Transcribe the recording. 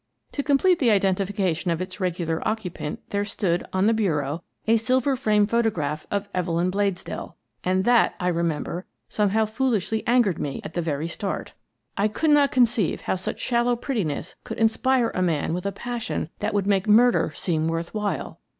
To complete the identification of its regular oc cupant, there stood, on the bureau, a silver framed photograph of Evelyn Bladesdell, and that, I re member, somehow foolishly angered me at the very start. I could not conceive how such shallow pret tiness could inspire a man with a passion that would make murder seem worth while!